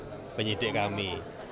itu penyidik kami